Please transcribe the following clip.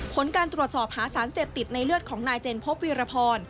ผลการตรวจสอบหาสารเสพติดในเลือดของนายเจนพบวีรพร